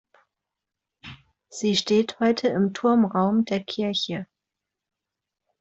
Sie steht heute im Turmraum der Kirche.